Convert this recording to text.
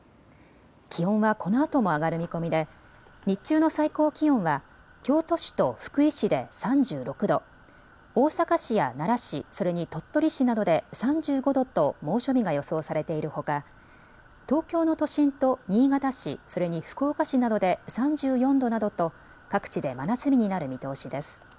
気温はこのあとも上がる見込みで日中の最高気温は京都市と福井市で３６度、大阪市や奈良市、それに鳥取市などで３５度と猛暑日が予想されているほか東京の都心と新潟市、それに福岡市などで３４度などと各地で真夏日になる見通しです。